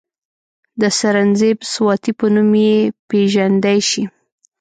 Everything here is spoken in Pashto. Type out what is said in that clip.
د سرنزېب سواتي پۀ نوم پ ېژندے شي،